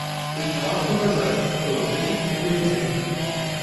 Тут няма што казаць, што датычыць невыязных.